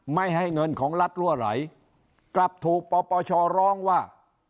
ไม่ให้เงินของรัฐรั่วไหลกลับถูกปปชร้องว่า